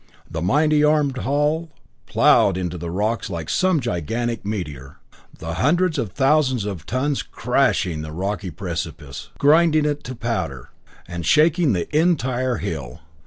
The mighty armored hull plowed into the rocks like some gigantic meteor, the hundreds of thousands of tons crushing the rocky precipice, grinding it to powder, and shaking the entire hill.